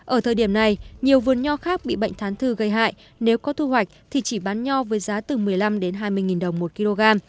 ở thời điểm này nhiều vườn nho khác bị bệnh thán thư gây hại nếu có thu hoạch thì chỉ bán nho với giá từ một mươi năm đến hai mươi đồng một kg